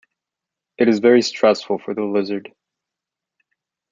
It is very stressful for the lizard.